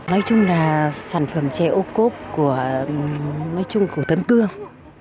nói chung là sản phẩm chè ô cốp của tân cương